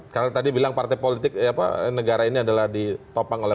karena tadi bilang partai politik negara ini adalah ditopang oleh partai politik